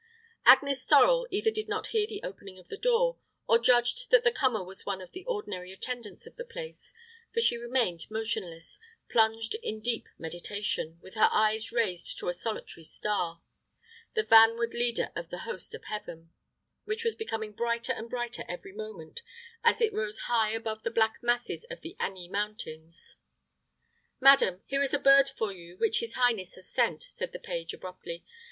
Agnes Sorel either did not hear the opening of the door, or judged that the comer was one of the ordinary attendants of the place, for she remained motionless, plunged in deep meditation, with her eyes raised to a solitary star, the vanward leader of the host of heaven, which was becoming brighter and brighter every moment, as it rose high above the black masses of the Anis Mountains. "Madam, here is a bird for you which his highness has sent," said the page, abruptly.